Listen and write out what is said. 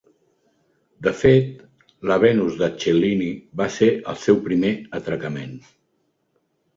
De fet, la Venus de Cellini va ser el seu primer atracament.